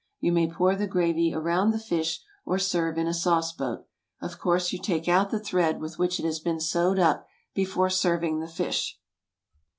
You may pour the gravy around the fish, or serve in a sauce boat. Of course you take out the thread with which it has been sewed up before serving the fish.